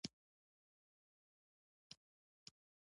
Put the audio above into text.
اوښ د افغانستان د اقتصادي منابعو ارزښت زیاتوي.